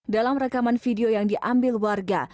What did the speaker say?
dalam rekaman video yang diambil warga